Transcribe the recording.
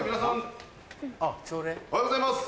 おはようございます。